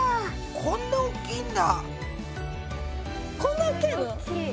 こんな大きいんだ。